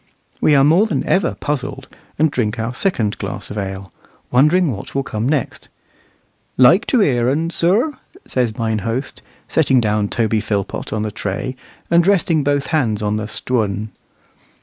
We are more than ever puzzled, and drink our second glass of ale, wondering what will come next. "Like to hear un, sir?" says mine host, setting down Toby Philpot on the tray, and resting both hands on the "Stwun."